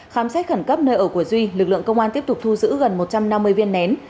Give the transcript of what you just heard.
khám xét khẩn cấp nơi ở của duy lực lượng công an tiếp tục thu giữ gần một trăm năm mươi viên nén